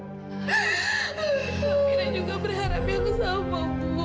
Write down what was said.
amira juga berharap yang sama bu